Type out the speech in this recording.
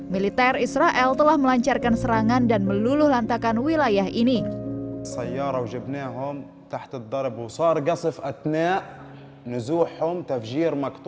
militer israel telah melancarkan serangan dan meluluh lantakan wilayah ini